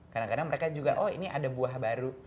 karena mereka juga oh ini ada buah baru